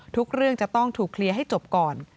ทุกเรื่องจะต้องถูกเคลียร์ให้จบก่อน